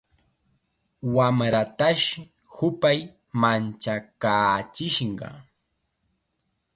Wamratash hupay manchakaachishqa.